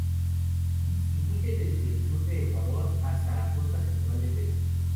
Se distribuye desde el sur de Ecuador hasta la costa central de Perú.